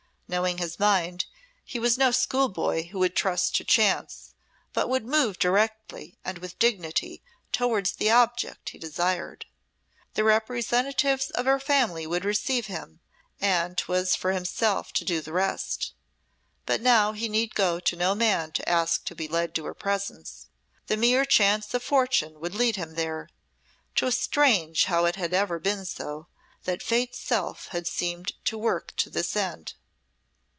Knowing his mind, he was no schoolboy who would trust to chance, but would move directly and with dignity towards the object he desired. The representatives of her family would receive him, and 'twas for himself to do the rest. But now he need go to no man to ask to be led to her presence. The mere chance of Fortune would lead him there. 'Twas strange how it had ever been so that Fate's self had seemed to work to this end.